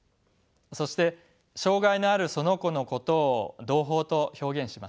そして障がいのあるその子のことを同胞と表現します。